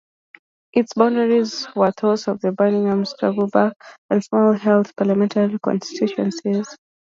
Its boundaries were those of the Birmingham Sparkbrook and Small Heath parliamentary constituency.